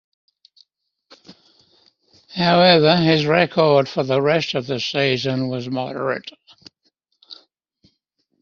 However, his record for the rest of the season was moderate.